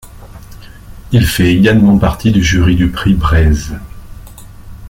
Il fait également partie du jury du prix Breizh.